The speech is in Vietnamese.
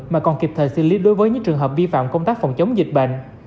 mà còn kịp thời xử lý đối với những trường hợp vi phạm công tác phòng chống dịch bệnh